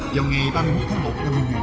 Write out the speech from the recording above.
vào ngày ba mươi một tháng một năm hai nghìn